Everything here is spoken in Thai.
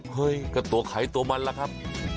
เฮ้ยก็ตัวไขตัวมันล่ะครับ